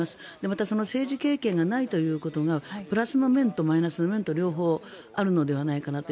また政治経験がないということがプラスの面とマイナスの面と両方あるのではないかなと。